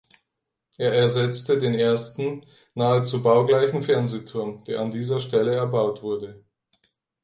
Er ersetzte den ersten, nahezu baugleichen Fernsehturm, der an dieser Stelle erbaut wurde.